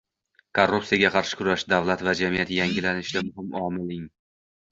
Korrupsiyaga qarshi kurash – davlat va jamiyat yangilanishida muhim omilng